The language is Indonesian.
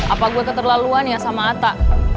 apa gue keterlaluan ya sama atta